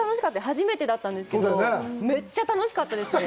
初めてだったんですけど、めっちゃ楽しかったですね。